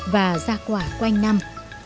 và ra quả quanh năm